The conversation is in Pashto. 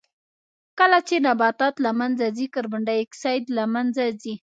کله چې نباتات له منځه ځي کاربن ډای اکسایډ له منځه ځي.